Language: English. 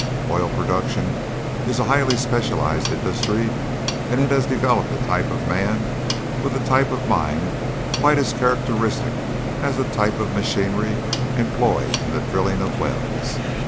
Oil production is a highly specialized industry, and it has developed a type of man with a type of mind quite as characteristic as the type of machinery employed in the drilling of wells.